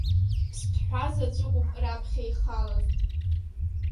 Ԥсҭҳәа заҵәыкоуп раԥхьа ихалаз.